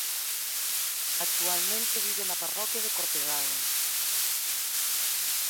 Actualmente vive na parroquia de Cortegada.